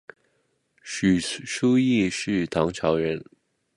许叔冀是唐朝人。